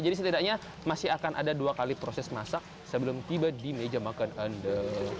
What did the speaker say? jadi setidaknya masih akan ada dua kali proses masak sebelum tiba di meja makan anda